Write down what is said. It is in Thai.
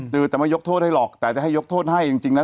ถือจะมายกโทษให้หรอกแต่จะให้ยกโทษให้จริงจริงว่า